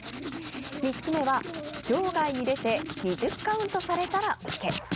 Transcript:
３つ目は場外に出て２０カウントされたら負け。